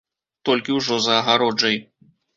Толькі ўжо за агароджай.